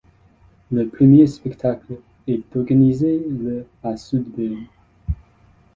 Le premier spectacle est organisé le à Sudbury.